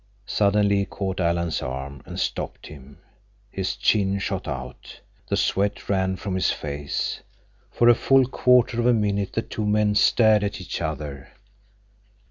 Suddenly he caught Alan's arm and stopped him. His chin shot out. The sweat ran from his face. For a full quarter of a minute the two men stared at each other.